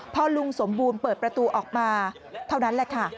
พอลุงสมบูรณ์เปิดประตูออกมาเท่านั้นแหละค่ะ